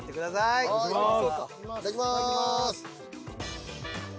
はいいただきます。